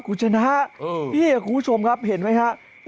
คุณชนะนี่คุณผู้ชมครับเห็นไหมครับ